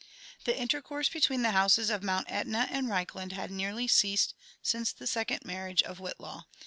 The intercourse between the houses^of Mount Etna.and Reichland bad nearly ceased since the second marriage of Whillaw.